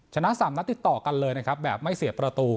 ชนะ๓นัดติดต่อกันเลยนะครับแบบไม่เสียประตู